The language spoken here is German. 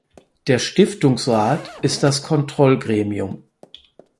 Der Stiftungsrat ist das Kontrollgremium.